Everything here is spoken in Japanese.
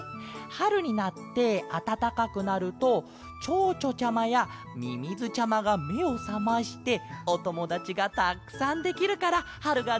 はるになってあたたかくなるとチョウチョちゃまやミミズちゃまがめをさましておともだちがたくさんできるからはるがだいすきなんだケロ！